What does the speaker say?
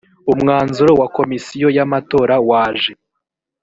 umwanzuro wa komisiyo yamatora waje